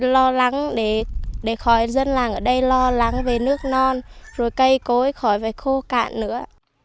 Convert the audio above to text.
lo lắng để khỏi dân làng ở đây lo lắng về nước non rồi cây cối khỏi phải khô cạn nữa